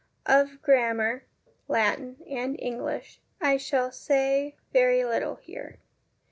Of 'grammar, Latin and English, I shall say very little here.